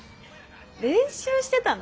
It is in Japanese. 練習してたの？